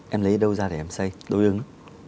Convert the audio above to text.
em lấy đâu ra để em xây đối ứng